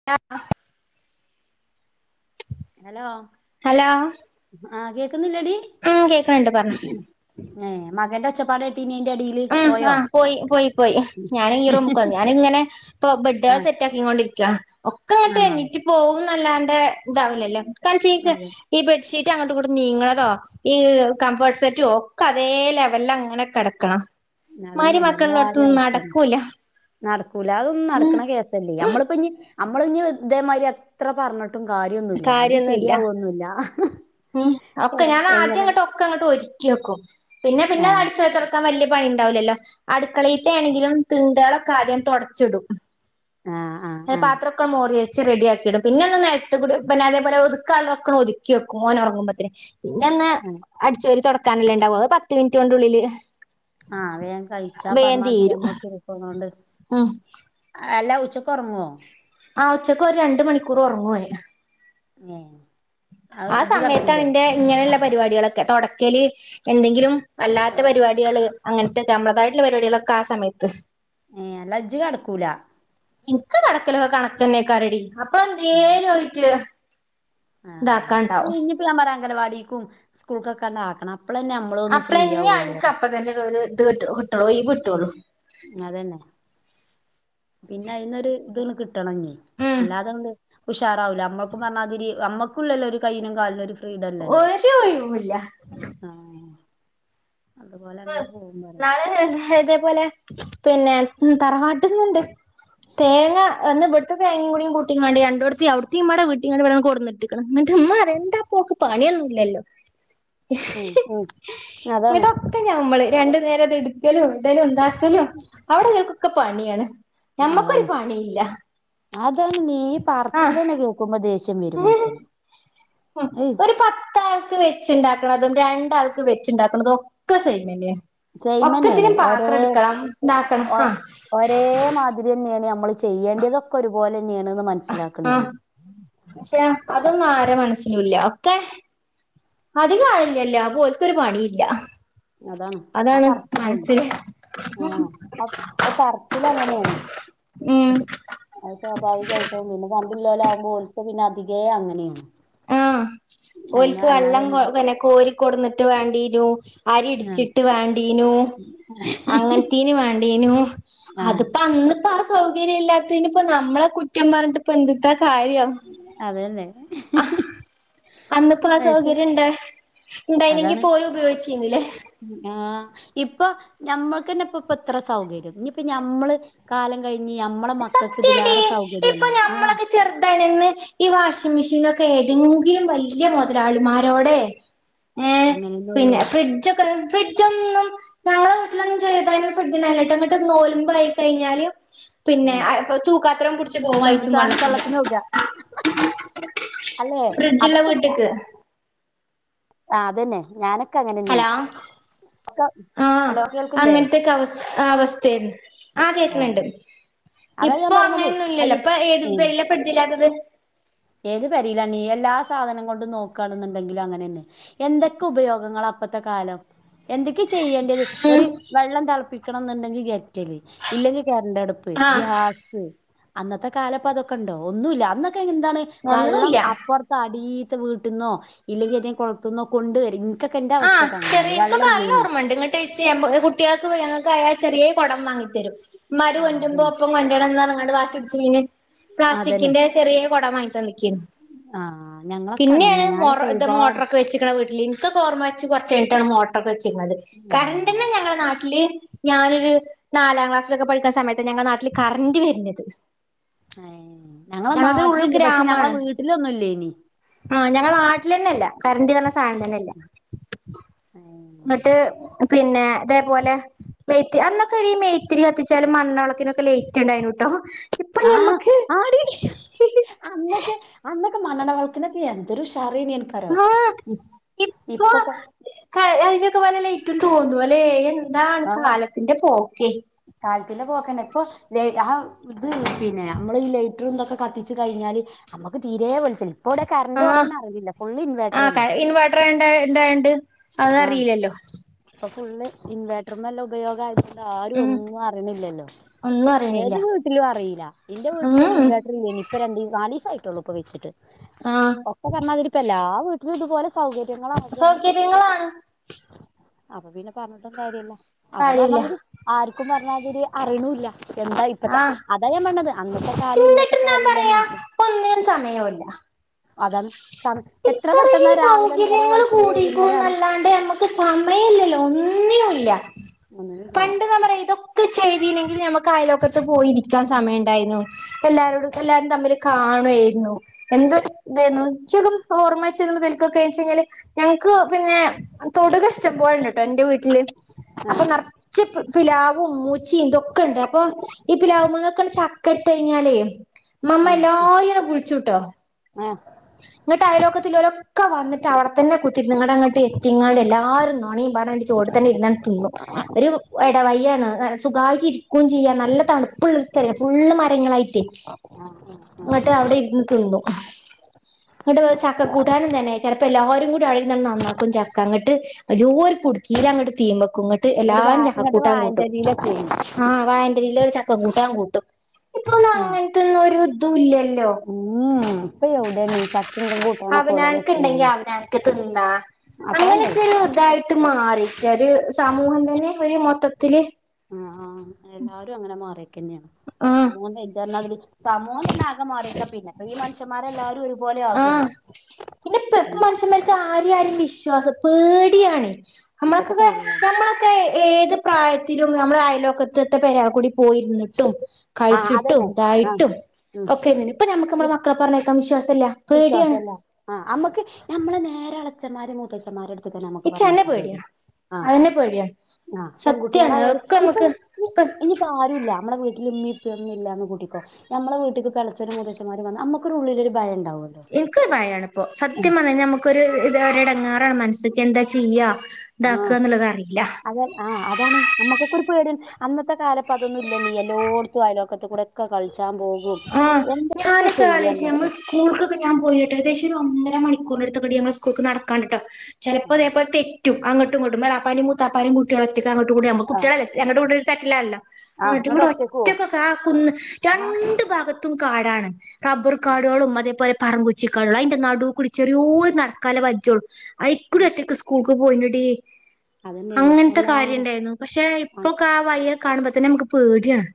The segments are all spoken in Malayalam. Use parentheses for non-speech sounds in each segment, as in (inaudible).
(unintelligible) ഹലോ ഹലോ ആഹ്‌ കേക്കുന്നില്ലെടി ഉം കേൾക്കണണ്ട് പറഞ്ഞോ ഏഹ്‌ മകന്റെ ഒച്ചപ്പാട് കേട്ടിനി അയിന്റെ എടീ ഉം ആഹ് പോയി പോയി പോയി ഞാൻ ഈ റൂമ്ക്ക് വന്നു ഞാനിങ്ങനെ ഇപ്പൊ ആ ബെഡാൾ സെറ്റ് ആകിക്കൊണ്ടിരിക്ക ഒക്കെ ഇങ്ങട്ട് ആ എണീറ്റ് പോവുന്നല്ലാണ്ട് ഇതാവില്ലല്ലൊ എനിക്കാണിചെ അതെ ഈ ബെഡ്ഷീറ്റ് അങ്ങട്ടും ഇങ്ങട്ടും നീങ്ങ്ണതോ ഈ കംഫഫേർട്ട് സെറ്റും ഒക്കെ അതേ ലെവലിലങ്ങനെ കടക്കണം അതെന്നെണ് എല്ലാരീ അവസ്ഥതാ നടക്കൂല അതൊന്നും നടക്കണ കേസ് ല്ലേ അമ്മളിപ്പഞ്ഞി അമ്മള് ഇഞ്ഞി ഇതേമായിരി എത്ര പറഞ്ഞ് ട്ടും കാര്യന്നുല്ല അത് കാര്യൊന്നുല്ല ശെരിയാവൊന്നും ല്ല ഉം ഒക്കെ ഞാന് ആദ്യം അങ്ങട്ട് ഒക്കെങ്ങട്ട് ഒരുക്കി വെക്കും പിന്നെ പിന്നെ ആ അതടി ച്ചോരീ തൊടക്കാൻ വല്ല്യ പണി ഇണ്ടാവുല്ലല്ലോ അടുക്കളീത്തേണെങ്കിലും തിണ്ടാളൊക്കെ ആദ്യം തൊടച്ചിടും ആ ആ ഏഹ് ആ പാത്രോക്കെണ്ട് മോറി വെ ച്ച് റെഡിയാക്കിയിടും പിന്നെ നെൽത്ത് കുടി പിന്നെ അതേപോലെ ഒതുക്കാള്ളതൊക്കെ ഒതുക്കി വെക്കും ഓന് ഒറങ്ങുമ്പത്തിന് പിന്നെ ഒന്ന് ആ. അടിചോരി തൊടക്കാനല്ലേണ്ടാവൂ അത് പ ത്ത് മിനിറ്റോണ്ടുള്ളില് ആ വേം തീരും പോണോണ്ട് ഉം അല്ലാ ഉച്ചക്ക് ഒറങ്ങോ ആഹ് ഉച്ചക്ക് ഒരു രണ്ട് മണിക്കൂർ ഒറങ്ങും ഓന് ഏഹ് ആഹ് സമയത്താണ് ഇന്റെ ഇങ്ങനെള്ള പരിപാട്യളൊക്കെ തൊടക്കല് എന്തെങ്കിലും അല്ലാത്ത പരിപാടികള് അങ്ങനത്തെ ഞമ്മളദായിട്ടുള്ള പരിപാടികളൊക്കെ ആസമയത്ത് ഏഹ് അല്ല ഇജ്ജ് കടക്കൂല ഇൻക്ക് കടക്കലോ കണക്കന്നെക്കാരെടി ഏ അപ്പളന്തേലു ആയിറ്റ് താക്കാണ്ടാവും പലാപറ അംഗലവാടിക്കും സ്കൂൾക്കൊക്കെണ്ടാക്കണം അപ്പളന്നെ അ അപ്പളഞ്ഞി അൻക് അപ്പ തന്നെള്ളു ഒരു ഇത് കിട്ടോ കിട്ടുള്ളൂ ഒഴിവ് കിട്ടൊള്ളൂ അതന്നെ പിന്നെ അയിന്നൊരു ഇത്ണ് കിട്ടണഞ്ഞി ഉം അല്ലാതണ്ട് ഉഷാറാവൂല്ല അമ്മക്കും പറഞ്ഞാതിരി അമ്മക്കുല്ലല്ലോ ഒരു കയ്യിനും കാലിനും ഒരു ഫ്രീഡല്ലല്ലോ ഒരു ഒഴിവുല്ല ആഹ് അതുപോലെ അങ്ങനെ ഏഹ് പോകും പറയാ നാളെ ഇതേപോലെ പിന്നെ ഉം തറവാട്ട്ന്ന്ണ്ട് തേങ്ങ അന്നവ്ടത്തെ തേങ്ങി കുടീ കൂട്ടിങ്ങാണ്ട് രണ്ടോട്ത്തി അവിടിത്തിമ്പാടെ വെട്ടിങ്ങാണ്ട് ഇവിടെ കൊട്ന്ന് ട്ട്ക്ക്ണ് ഇന്നിട്ട് ഇമ്മ പറയാ എന്താ പോക്ക് പണിയൊന്നും ഇല്ലല്ലോ ഉം ഉം അതാണ് ട്ട് ഞമ്മള് രണ്ടു നേരം ഇത് ഇട്ക്കലും ഇടലും ഉണ്ടാക്കലും അവിടെല്ലോൽക്കൊക്കെ പണിയാണ് ഞമ്മക്കൊരു അതാണ് പണിയില്ല അതാണ് ഈ ആഹ് പറച്ചിലന്നെ കേ കുമ്പോ ശേഷം വരും ഉം മൻസന് ഏയ് ത്താൾക്ക് വെച്ച്ണ്ടാക്കണതും രണ്ടാൾക്ക് വെച്ചുണ്ടാക്കണതും ഒക്കെ സെയിമന്നേണ് സെയിമെന്നേണ് ഒക്കത്തിനും ഒരേ പാത്രം എടുക്കണം ഉണ്ടാക്കണം ആഹ് കുരുന്നേണ് അമ്മള് ചെയ്യേണ്ട്യേതൊക്കെ ഒരുപോലെന്നെണ്ന്ന് മ ആഹ് പക്ഷേ അതൊന്നും ആരെ മനസ്സിലൂല്ല ഒക്കെ അതികാളില്ലല്ലേ അപ്പോൽകൊരു പണീല്ല അതാണ് ആഹ് പറച്ചിലും ആഹ് അഹ് അഹ് പറച്ചിലങ്ങനെണ് ഉം അത് സ്വാഭാവികായിട്ടും പിന്നെ പണ്ടില്ലോലാവുമ്പോ ഓൽക്ക് പിന്നെ അധികേ അങ്ങനെണ് ആഹ് ഓൽക്ക് വെള്ളം കോ പിന്നെ കോരി കൊട്ന്നിട്ട് വേണ്ടിനൂ അരി ആഹ് ഇടിച്ചിട്ട് വാണ്ടീനു അങ്ങൻത്തിനു വാണ്ടീനു ആഹ് അത്പ്പ അന്ന്പ്പാ സൗകര്യം ഇല്ലാതിനിപ്പോ നമ്മളെ കുറ്റം പറഞ്ട്ട്പ്പ എന്ത്ത്താ കാര്യോ അതന്നെ ആഹ് അന്നത്തെ ഇപ്പോ ആഹ് അയ്ശെ സൗകര്യം ഉണ്ട് ഉണ്ടായിനെങ്കിൽ അതാണ് പോലും ഉപയോഗിച്ചുന്നില്ലേ ആഹ് ഇപ്പൊ നമ്മൾക്ക് തന്നെ ഇപ്പ ഇപ്പ എത്ര സൗകര്യം ഇപ്പ നമ്മൾ കാല- കഴിഞ്ഞ് നമ്മളെ മക്കൾക്ക് ഇതിലേറെ സൗകര്യമില്ലേ ചെറുതാണി ഇന്ന് ഈ വാഷിംഗ് മെഷീനൊക്കെ ഏതെങ്കിലും വലിയ മുതലാളിമാരോടെ ഏ അങ്ങനെന്നെ പിന്നെ ഉള്ളൂ ഫ്രിഡ്ജൊക്കെ ഫ്രിഡ്ജ് ഒന്നും ഞങ്ങളെ വീട്ടിലൊന്നും ചെറ്തായിനന്ന് ഫ്രഡ്ജിണ്ടാവുലട്ടോ ഇങ്ങട്ട് നോൽമ്പായി കഴിഞ്ഞാല് പിന്നെ ഉം തൂക്കു പാത്രം കുടിച്ച് പോകും ഐസും വെള്ളത്തിൽ തണുത്തള്ളത്തിന് (unintelligible) അല്ലെ ഫ്രിഡ്ജുള്ള അതൊക്കെ വീട്ട്ക്ക് ആഹ് അതന്നെ ഞാനൊ ഹലോ ആഹ് ഹലോ കേൾക്കുന്നില്ലേ അങ്ങൻത്തെക്കെ അവസ് അവസ്‌തേരുന്നു ആഹ് കേൾക്കുന്നുണ്ട് അതാ ഞാൻ ഇപ്പൊ പറയണത് അങ്ങനെയൊന്നും ഇല്ലല്ലോ അയ് ഇപ്പൊ ഏത് ഏഹ് വീട്ടിലാ ഫ്രിഡ്ജില്ലാത്തത് ഏത് പെരിയിലാണ് എല്ലാ സാധനം കൊണ്ട് നോക്കാ എന്നുണ്ടെങ്കിലും അങ്ങനെ തന്നെ എന്തൊക്കെ ഉപയോഗങ്ങളാ ഇപ്പഴത്തെ കാലം എന്തൊക്കെ ചെയ്യേണ്ടത് ഉം ഒരു വെള്ളം തിളപ്പിക്കണം എന്നുണ്ടെങ്കിൽ ഗെറ്റൽഇല്ലെങ്കിൽ കറണ്ട് അടുപ്പ് ആഹ് ഗ്യാസ് അന്നത്തെ കാലം ഇപ്പൊ അതൊക്കെ ഉണ്ടോ ഒന്നുമില്ല അന്നൊക്കെ എന്താണ് വെള്ളം ഒന്നുല്ല പുറത്ത് അടിയത്തെ വീട്ടിന്നോ ഇല്ലെങ്കിൽ കൊളത്തുന്നോ കൊണ്ട് വരും ഇപ്പൊക്കെ എന്റെ അവസ്ഥയൊക്കെ അങ്ങനെയേ വെള്ള ഇല്ലെങ്കിൽ (unintelligible) കുട്ടികൾക്ക് ഞങ്ങൾക്ക് ആയാൾ ചെറിയ കുടം വാങ്ങി തരും. മരു ആ കൊണ്ടരുമ്പോ അതന്നെ ഒപ്പം കൊണ്ടരണം എന്ന പറഞ്ഞു വാശി പിടിച്ചീനി അതന്നെ പ്ലാസ്റ്റിക്കിന്റെ ചെറിയ കുടം വാങ്ങി തന്നേക്കന്നു ആ ഞങ്ങളൊക്കെ പിന്നെണ് അങ്ങനെ ഞാനൊക്കെ മോറം ഒരുപാട് മോട്ടറൊക്കെ വെച്ചക്കണ വീട്ടില് ഇൻക്കൊക്കെ ഓർമ്മ വെച്ച് കുറച്ചായിട്ടാണ് മോട്ടറൊക്കെ വച്ചിരിക്കുന്നത് ആ കറണ്ട് തന്നെ ഞങ്ങളെ നാട്ടില് ഞാനൊരു നാലാം ക്ലാസ്സിലൊക്കെ പഠിക്കുന്ന സമയത്ത് ഞങ്ങൾ നാട്ടിൽ കറന്റ് വർന്നത്. ഏ ഞങ്ങളെ നാട്ടിലുണ്ട് പക്ഷെ ഞങ്ങളെ ഉൾഗ്രാമാണ് വീട്ടിലൊന്നും ഇല്ലേ നി ആഹ് ഞങ്ങളെ നാട്ടിൽ തന്നെ ഇല്ല കര്ന്റ് ന്ന് പർഞ്ഞ സാധനം യില്ല ഏ ന്ന്ട്ട് പിന്നെ അതേപോലെ മേത്തി അന്നൊക്ക ഡീ മേഴിത്തിരി കത്തിച്ചാലും മണ്ണ വിളക്കിനൊക്കെ ലേറ്റ് ഇണ്ടായിനുട്ടോ ആഹ് ആടി അന്നക്കെ അന്നൊക്കെ മണ്ണണ്ണ വിളക്കിനൊക്കെ എന്തൊരു ഉഷാറെനി അൻക്കറി യോ ഇപ്പൊക്കെ അയിനൊക്കെ പോലെ ഇന്ക്കും തോന്നുല്ലേ എന്താണ് കാലത്തിന്റെ പോക്കെ കാലത്തിൻ്റെ പോക്കനെ ഇപ്പൊ ആഹ് ഇത് പിന്നെ നമ്മൾ ഈ ലേറ്റർ ഇതൊക്കെ കത്തിച്ചു കഴിഞ്ഞാല്ല് നമ്മുക്ക് തീരെ വെളിച്ചല്ല ഇപ്പ ഇവിടെ കര്ന്റ് പോണ ആഹ് അറിവില്ല ഫുൾ ഇൻവേട്ടർ ആഹ് ക അല്ലേ ഇൻവേർട്ടർ ഇണ്ട ഇണ്ടായോണ്ട് ആഹ് അതറിയില്ലല്ലോ ഇപ്പൊ ഫുള്ള് ഇൻവേർട്ടർല്ലാം ഉപയോഗം ആയത് കൊണ്ട് ആ ഉം ഒന്നും അറിയണില്ലല്ലോ ഒന്നും അറിയണില്ല ഏത് വീട്ടിലും അറീല്ല ഇന്റെ വീട്ടിലൊന്നും ഉം ഇൻവെർട്ടർ ഇല്ലേ നി ഇപ്പ രണ്ടീസ നാലീസായിട്ടൊള്ളൂ പ്പോ വെച്ചിട്ട് ആഹ് ഒക്കെ പറഞാതിരി ഇപ്പലാ വീട്ടിലും ഇതുപോലെ സൗകര്യങ്ങള സൗകര്യങ്ങളാണ് അപ്പൊ പിന്നെ പറഞ്ഞിട്ട് കാര്യമില്ല അപ്പം കാര്യല്ല പറഞ്ഞാതിരി. ആർക്കും പറഞ്ഞാതിരി അറിണുല്ല എന്താ ഇപ്പഴത്തെ ആഹ് അതാ ഞാൻ പറഞ്ഞത് അന്നത്തെ കാലു ഇന്നത്തെ എന്നിട്ടും ഞാൻ കാലു എല്ലാം പറയാ മാറ്റം ഒന്നിനും സമയോല്ല അതാണ് എത്ര പെട്ടെന്ന് ഇത്രയും രാവിലെ നേരം വെളുക്കുന്നത് വൈകുനേരാണ്. ഇപ്പ സമയല്ലല്ലോ ഒന്നിനും ഇല്ല ഒന്നുമില്ലേ പണ്ട് നമ്മടെ ഇതോ കെ ചെയ്തില്ലെങ്കിലും നമ്മൾക്ക് അയലോക്കത്ത് പോയി ഇരിക്കാൻ സമയം ഉണ്ടായിനു എല്ലാരോടും എല്ലാരും തമ്മില് കാണോയിരുന്നു എന്ത് ഇതെർന്നു (unintelligible) ഓർമ്മച്ച (unintelligible) വെച്ചയ്ഞാല് ഞങ്ങക്ക് പിന്നെ തൊടുക ഇഷ്ടം പോലെയുണ്ട് ട്ടോ ഇന്റെ വീട്ടില് അപ്പൊ ന ച്ച് പിലാവും മൂച്ചിം ഇതൊക്കെണ്ട് അപ്പൊ ഈ പിലാവ് ന്നൊക്കെ ചക്ക ഇട്ട് കഴിഞ്ഞാലേ ഇമ്മ മ്മ ആ എല്ലാരിം വിളിച്ചുട്ടോ ആ ങ്ങട്ട് അയലൊക്കത്ത് ലോ ല്ലോ ഒക്കെ വന്ന്ട്ട് അവടെത്തന്നെ കുത്തിര്ന്ന് ങ്ങട്ട ങ്ങട്ട് എത്തിങ്ങാണ്ട് എല്ലാരിം നോണിം പർഞാണ്ട് ചോട് തന്നെ ഇരുന്നണ്ട് തിന്നു ഒരു എട വയ്യാണ് സുഖായിട്ട് ഇരി ക്കും ചെയ്യാം നല്ല തണുപ്പ്ള്ള സ്ഥലം ഫുള് മരങ്ങളായിട്ട് ങ്ങട്ട് അവ്ടെ ഇര്ന്ന് തിന്നു ങ്ങട്ട് ചക്ക കൂട്ടാനും തന്നെ ചെലപ്പോ എല്ലാരും കൂടി ആട ഇര്നണ്ട് നന്നാക്കും ചക്കങ്ങട്ട് വെല്യൊരു കുടുക്കിയിലങ്ങട്ട് തീമക്കും ഇങ്ങ ട്ട് ഇങ്ങോട്ട് വാ എല്ലാരും ഇങ്ങോട്ട് ചക്കകൂട്ടാൻ വാഴന്റെ കൂട്ടും അടിയിലൊക്കെ ആഹ് വായന്റെലേല് ഒരു ചക്ക കൂട്ടാൻ കൂട്ടും ഉം ത്ത് നോരു ഇതും ഇല്ലല്ലോ പ്പ എഹുടെണി ച്ച അവനാൻക്ക് ഇണ്ടെങ്കി അവനൻക്ക് തിന്നാ അത്ര തന്നെ അങ്ങനെക്കൊരു ഇതായി ട്ട് മാറിക്ക ഒരു സമൂഹം തന്നെ ഒരു മൊത്തത്തില് ആഹ് ആഹ് എല്ലാരും അങ്ങനെ മാറിയക്കന്നെണ് ആഹ് സമൂഹം വേല്ത് പറഞ്ഞാ തിരി സമൂ മോംതന്നെ ആകെ മാറിക്ക പിന്നെ അപ്പൊ ഈ മനുഷ്യന്മാരെല്ലാരും ഒരുപോലെ ആകലെ പിന്നെപ്പ് പ്പ മനുഷ്യന്മാർക്ക് ആരെ ആരേം വിശ്വാസം പേടിയാണ് ഇപ്പത്തെ നമ്മൾക്കൊക്കെ കാലം നമ്മള ക്കെ ഏത് പ്രായത്തിലും നമ്മള അയൽവക്കത്തത്തെ പെരെ കൂടി പോയിര്ന്ന്ട്ടും ആഹ് കഴിച്ചിട്ടും അതന്നെ ആഹ് ഇതായിട്ടും ഉം ഒക്കെങ്ങനെ ഇപ് ഇപ്പൊ നമ്മുക്ക് നമ്മളെ ഇപ് മക്കളെ പറഞ്ഞേക്കാൻ വിശ്വാസല്ല പേടിയാണ് വിശ്വാസല്ല ആഹ് അമ്മക്ക് ഞമ്മളെ നേരാളച്ചന്മാര് മൂത്തച്ഛന്മാരട്ത് ക്ക് നമ്മക്ക് പറഞ്ഞേക്കാൻ പേടിയാ ആഹ് അതിനെ പേടിയാണ് ആഹ് സത്യാണ് പെൺകുട്ടിയെളായാലും അതൊക്കെ ഇപ്പൊ നമുക്ക് ഇനി ഇപ്പ ഇനിയിപ്പാരുല്ല നമ്മടെ വീട്ടിലിമ്മയും പ്പൊയൊന്നുല്ലാന്ന് കൂട്ടിക്കോ ഞമ്മള വീട്ടക്ക് എളച്ചനും മൂത്തച്ചന്മാരും വന്നാ അമ്മക്കൊരുള്ളിലൊരു ഭയണ്ടാവും എൻക്കൊരു ഭയാണ്പ്പോ സത്യം പർഞയ്ഞ്ഞാൽ നമുക്കൊരു ഇത് ഒര് എടങ്ങാറാണ് മൻസ്സ്ക്ക് എന്താ ചെയ്യാ ആഹ് ഇതാക്ക എന്ന്ള്ളത് അറിയില്ല അത ആഹ് അതാണ് നമ്മക്കൊക്കെരു പേടിയാണ് അന്നത്തെ കാലപ്പതൊന്നുല്ല നീ എല്ലോട്ത്തും ആയൊലോക്കത്കൂടെ ക്കെ കളിച്ചാൻപോകും ആഹ് എന്തൊക്കെ ഞാനൊക്കെ ചെയ്യും ആലോചിച്ചു നമ്മൾ അന്നൊക്കെ സ്കൂൾക്കൊക്കെ ഞാൻ പോയിട്ട് ഏദേശം ഒരു ഒന്നര മണിക്കൂറിനടുത്തകടി ഞങ്ങള സ്കൂൾക്ക് നടക്കാണ്ടിട്ടോ ചെലപ്പോ ഇതേ ആഹ് പോലെ തെറ്റും അങ്ങട്ടും ഇങ്ങട്ടും എളാപ്പന്റേം മൂത്താപ്പാന്റേം കുട്ടിയളൊറ്റെക്കങ്ങട്ടും കൂടി നമ്മ ആഹ് കുട്ട്യേളല്ലേ ങ്ങട്ടു ഇങ്ങട്ടു തറ്റിലല്ല ആഹ് അങ്ങട്ടും ഇങ്ങട്ട് ഇങ്ങട്ടും ഒറ്റക്ക് പോവും ഒറ്റക്കൊക്കെ ആ കുന്ന് ആഹ് രണ്ടു ഭാഗത്തും കാടാണ് കബ്ർ ആഹ് കാടുകളും അതേപോലെ പറംങ്കുച്ചി കാടുകളും അയ്ന്റെ നടുകൂടി ചെറിയോര് നടക്കാല വജ്ജളും അയക്കൂടി ഉം ഒറ്റക്ക് സ്കൂൾക്ക് പോയിനടി അതന്നെയാണ് അങ്ങൻത്തെ എല്ലാരും കാര്യംണ്ടായിര്ന്നു പക്ഷെ ഇപ്പോക്കെ ആ വയ്യെ കാണുമ്പോതന്നെ അമ്മക്ക് പേടിയാണ്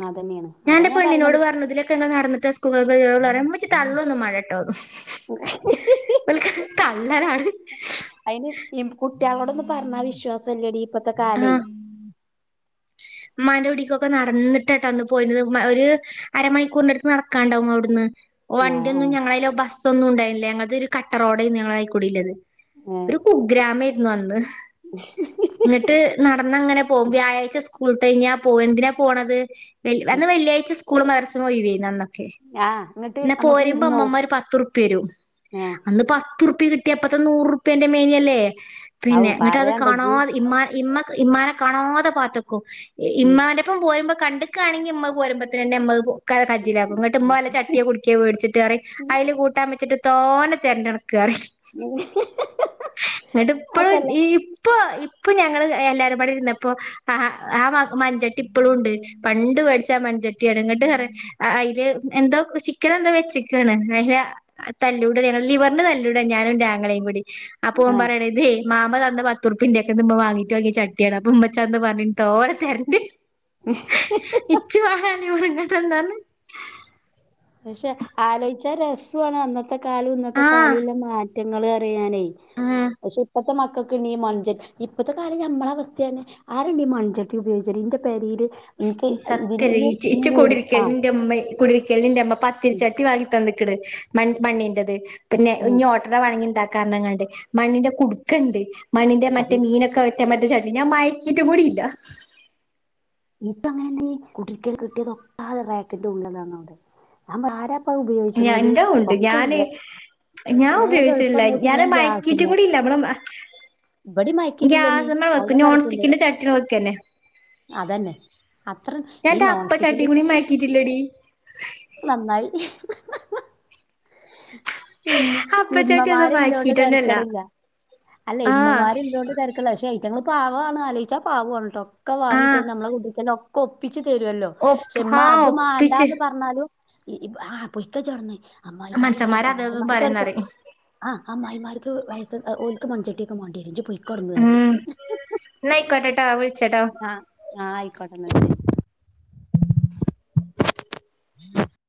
ആ അതന്നെയാണ് അതാ ഞാൻ പറഞ്ഞത് തിലൊക്കെ നടന്നിട്ട് സ്കൂള്ക്ക് പറയുമ്പോ ഉമ്മച്ചി തള്ളൊന്നും മാണ്ടാട്ടോ ഇവൽക്ക് തള്ളലാണ് അയ്ന് ഇ കുട്ട്യേളോടൊന്നും പറഞ്ഞ വിശ്വാസംല്ലടി ഇപ്പഴത്തെ കാലേ മ്മന്റോടിക്കൊക്കെ നടന്നിട്ടാട്ട അന്ന് പോയിര്ന്നത് ഒരു അരമണിക്കൂറിൻന്റടുത്ത് നടക്കാണ്ടാവും അവിടുന്ന് ആ വണ്ടിയൊന്നും ഞങ്ങളയ്ല ബസ്സൊന്നും ഉണ്ടായിരുന്നില്ല ഞങ്ങൾത് ഒരു കട്ട റോഡേരുന്നു ഞങ്ങളയിക്കൂടിള്ളത് ഏഹ് കുഗ്രാമെര്ന്നു അന്ന് ഹ ഹ ഹ ന്നിട്ട് നടന്നങ്ങനെ പോകും വ്യാഴാഴ്ച സ്കൂൾട്ടയിഞ്ഞാ പോവും എന്തിനാ പോണത് വെൽ അന്ന് വെള്ളിയായ്ച സ്കൂള് മർസിനും ഒഴിവേര്ന്ന്അന്ന് ആ എന്നിട്ട് പിന്നെ നമ്മുക്ക് പോരുമ്പോ വിരുന്ന് പോവും ഉമ്മമാര് പത്ത്റുപ്യരും അന്ന് പത്തുർപ്പ്യ കിട്ട ട്യ ഇപ്പത്ത നൂറുർപ്യേന്റെ മേനല്ലേ ആ ഔ പിന്നെ ന്നിട്ട്ത് പറയാണ്ട ഇജ്ജ് കാണാതെ ഇമ്മ ഇമ്മ ഇമ്മാനെ കണോതെ പാതെക്കും ഇ ഉം ഇമ്മാന്റെ ഇപ്പം പോരുമ്പോ കണ്ടക്കാണെങ്കിൽ ഇമ്മ പോരുമ്പോത്തിനെന്നെ മ്മ അത് കജ്ജിലാകും ന്ന്ട്ട് മ്മ വല്ല ചട്ടിയെ കുട്ക്കെ വേടിച്ചിട്ട് പറയും അതില് കൂട്ടാൻ വച്ചിട്ട് തോന തെരണ്ട് അണക് അറിം. ന്നിട്ട് ഇപ്പഴും അതല്ല ഇയ്. ഇപ്പൊ ഇപ്പൊ ഞങ്ങള് എല്ലാരുംപാടെ ഇരുന്നപ്പോ ആ ആ. മഞ്ചട്ടി ഇപ്പഴും ഉണ്ട് പണ്ട് മേടിച്ചാ മൺചട്ടി എടന്നിട്ട് പറയും അതില് എന്തോ ചിക്കൻ എന്തോ വെച്ചിക്കണ് അ തല്ലൂട ലിവറിന് തല്ലൂട ഞാനും ഇന്റാ ങ്ങളയും കൂടി. അപ്പ ഓം ആ പറയാണെയ് ഇതേ മാമ തന്ന പത്തുർപ്പിന്റെക്കന്ന് മ്മ വാങ്ങിട്ട് വാങ്ങിയ ചട്ടിയാണ് ന്ന് പറഞ്ഞട്ടോര തെര്ണ്ട് ഉം ഇച്ചു പറയാനങ്ങട്ടന്താന് പക്ഷെ ആലോചിച്ചാ രസമാണ് അന്നത്തെ കാലം ഇന്നത്തെ ആഹ് കാലംല്ല മാറ്റങ്ങള് അറിയാനേ. ഉം പക്ഷെ ഇപ്പത്തെ മക്കക്ക്ണീ മഞ്ജൻ ഇപ്പത്തെ കാര്യം ഞമ്മളവസ്ഥയ. ആരണീ മൺഞ്ചട്ടി ഉപയോഗിച്ചല് ഇന്റെ പെരില്. സത്യല്ലേ ഇച് ആ കൂടിരിക്കലിന് ഇന്റെ മ്മയ്. കുടരിക്കല്ന്ന് ന്റെമ്മ ഉം പത്തിരിച്ചട്ടി വാങ്ങി തന്ക്കണ് മണ്ണിന്റെത് ഉം പിന്നെഓട്ട. വാണങ്ങിണ്ടാക്കാറഞ്ഞ്ങ്ങാണ്ട് മണ്ണിന്റെ കുടുക്കണ്ട് മണ്ണിന്റെ മറ്റേ മീനൊക്കെ. റ്റ മറ്റേ ചട്ടി ഞാ മയക്കിട്ട് കൂടിയില്ല ഇപ്പ അങ്ങനെന്ത കുട്ക്കൽ ന് കിട്ടിയതൊക്കെ റാക്കിന്റെ ഉള്ളിലുണ്ട്നമ്മളാരാ ഞ ഇന്റതു ഉണ്ട് ഞാന് ഞാൻ വേഗം എളുപ്പം ഉപയോഗിച്ചലില്ല നോക്കി ഞാന് വേം മയക്കിട്ടും ഗ്യാസ്മ്മേ കൂടി ഇല്ല അമ്മടെ ഇബടിം മയക്കിയിട്ടില്ലണ്ണീ ഗ്യാസ്മ്മ വെക്ക അവിടെ നോൺ കെടക്ക്ണ്ട് സ്റ്റിക്കിന്റെ ചട്ടി വെക്കന്നെ അതന്നെ അത്ര ഞാൻ ഈ ഇന്റെ നോൺ അപ്പച്ചട്ടി സ്റ്റിക്കിന്റെ കൂടി മയക്കീട്ടില്ലടി നന്നായി ഇ അപ്പച്ചട്ടി ഒന്നും ഇമ്മമാരില്ലോണ്ട് മയക്കീട്ടെന്നെല്ല തരക്കടില്ല അല്ല ആഹ് ഇമ്മമാര് ഇല്ലോണ്ട് തെരക്കില്ല പക്ഷേ ഐറ്റങ്ങള് പാവാണ് ആലോയിച്ചാൽ പാവാണ് ഒക്കെ വാങ്ങി ആഹ് തന്ന് നമ്മളെ കുടിരിക്കലിന് ഒക്കെ ഒപ്പിച്ച് തരോല്ലോ. പക്ഷെ ഒപ്പ് മ്മ ആഹ് അത് ഒപ്പിച്ച് മാണ്ടാന്ന് പറഞ്ഞാലുംഇ -ആ പൊയ്ക്ക ഇജ്ജവ്ട്ന്ന് അമ്മായി മനുസന്മാര് മാര്ണ്ടാവുമ്പോ അതും ഇതും അമ്മായിമാര്ക്ക്‌ അതൊക്കെ പറയുന്നറിയും ആഹ് അമ്മായ്മാര്ക്ക് വയസ് ഓൽക്ക് മൺചട്ടിയൊക്കെ മാണ്ടേരും ഇജ് പൊയിക്ക. ആഹ് ന്ന ആയ്ക്കോട്ടെട്ടോ വിളിച്ചട്ടോ. ആഹ് ആഹ് അയ്ക്കോട്ടെന്നാൽ ശരി ആഹ്